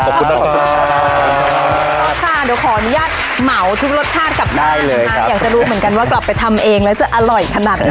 ขอบคุณมากขออนุญาตเหมาทุกรสชาติกับท่านได้เลยครับอยากจะรู้เหมือนกันว่ากลับไปทำเองแล้วจะอร่อยขนาดไหนเนอะ